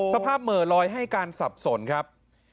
เหมือลอยให้การสับสนครับ